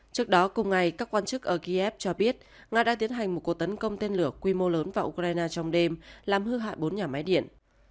trước đó cùng ngày các quan chức ở kiev cho biết nga đã tiến hành một cuộc tấn công tên lửa quy mô lớn vào ukraine trong đêm làm hư hại bốn nhà máy điện